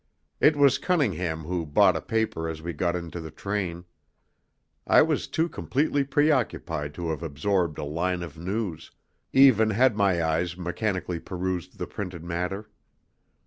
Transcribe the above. It was Cunningham who bought a paper as we got into the train. I was too completely preoccupied to have absorbed a line of news, even had my eyes mechanically perused the printed matter.